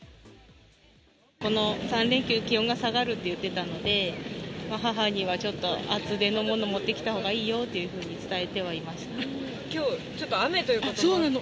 この３連休、気温が下がると言ってたので、母にはちょっと厚手のもの持ってきたほうがいいよというふうに伝きょう、ちょっと雨というこそうなの。